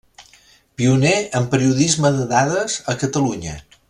Pioner en periodisme de dades a Catalunya.